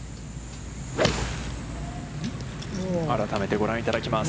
改めてご覧いただきます。